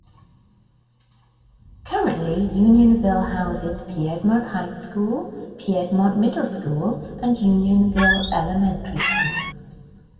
Currently, Unionville houses Piedmont High School, Piedmont Middle School, and Unionville Elementary School.